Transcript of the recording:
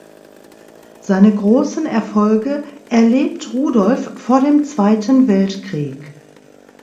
Seine großen Erfolge erlebt Rudolf vor dem Zweiten Weltkrieg.